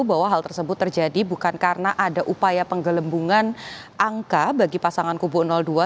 bahwa hal tersebut terjadi bukan karena ada upaya penggelembungan angka bagi pasangan kubu dua